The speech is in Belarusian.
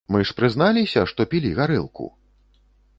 Мы ж прызналіся, што пілі гарэлку!?